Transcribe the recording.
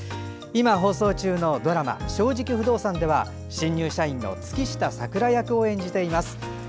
今、放送中のドラマ「正直不動産」では新入社員の月下咲良役を演じています。